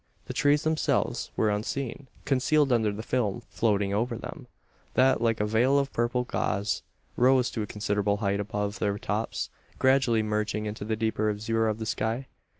The trees themselves were unseen concealed under the film floating over them, that like a veil of purple gauze, rose to a considerable height above their tops gradually merging into the deeper azure of the sky.